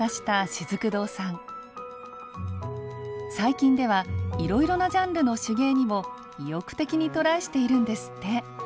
最近ではいろいろなジャンルの手芸にも意欲的にトライしているんですって。